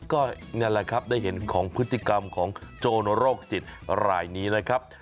ก็นั่นแหละครับได้เห็นของพฤติกรรมของโจรโรคจิตรายนี้นะครับ